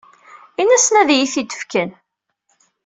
Ini-asen ad iyi-t-id-fken.